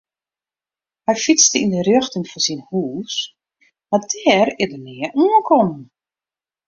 Hy fytste yn 'e rjochting fan syn hús mar dêr is er nea oankommen.